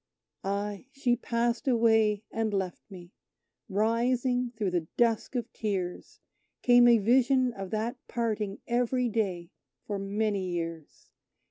Ay, she passed away and left me! Rising through the dusk of tears, Came a vision of that parting every day for many years!